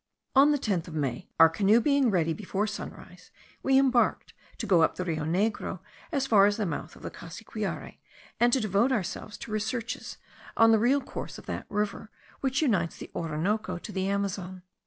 On the 10th of May, our canoe being ready before sunrise, we embarked to go up the Rio Negro as far as the mouth of the Cassiquiare, and to devote ourselves to researches on the real course of that river, which unites the Orinoco to the Amazon.